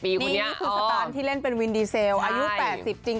นี่คือสตานที่เล่นเป็นวินดีเซลอายุ๘๐จริง